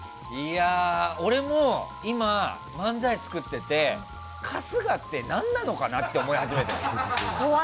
俺も今、漫才作ってて春日って何なのかなって思い始めて。